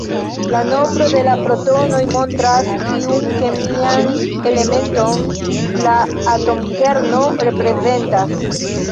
La nombro de la protonoj montras, kiun kemian elementon la atomkerno reprezentas.